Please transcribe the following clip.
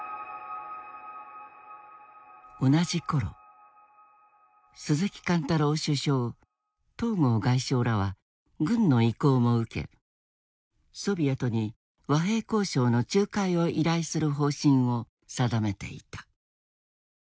同じ頃鈴木貫太郎首相東郷外相らは軍の意向も受けソビエトに和平交渉の仲介を依頼する方針を定めていた。